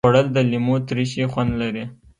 خوړل د لیمو ترشي خوند لري